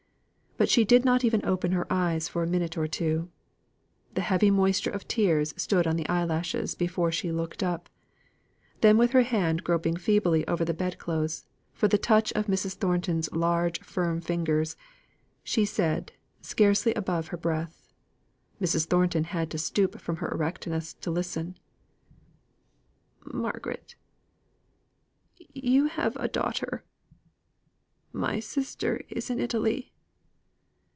But she did not even open her eyes for a minute or two. The heavy moisture of tears stood on her eyelashes before she looked up; then, with her hand groping feebly over the bed clothes, for the touch of Mrs. Thornton's large firm fingers, she said, scarcely above her breath. Mrs. Thornton had to stoop from her erectness to listen, "Margaret you have a daughter my sister is in Italy.